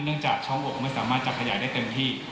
จากช่องอกไม่สามารถจะขยายได้เต็มที่